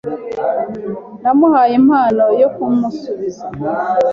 Namuhaye impano yo kumusubiza.